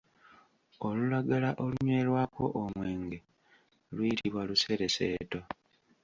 Olulagala olunywerwako omwenge luyitibwa lusereseeto.